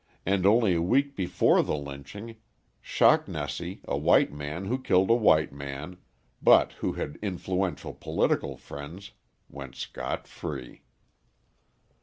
And only a week before the lynching, Schocknessy, a white man who killed a white man, but who had influential political friends, went scott free!